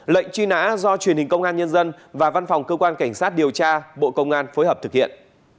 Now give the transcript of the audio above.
lệnh truy nã do truyền hình công an nhân dân và văn phòng cơ quan cảnh sát điều tra bộ công an phối hợp thực hiện